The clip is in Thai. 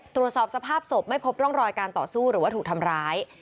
ตรวจสอบสภาพศพไม่พบร่องรอยการต่อสู้หรือว่าถูกทำร้าย